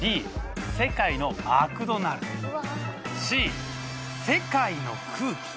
「Ｂ世界のマクドナルド」「Ｃ世界の空気」。